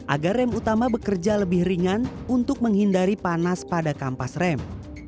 agar rem utama bekerja lebih ringan untuk menghindari panas pada kampas rem